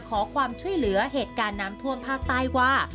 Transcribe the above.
ขอความช่วยเหลือเหตุการณ์น้ำท่วมภาคใต้ว่า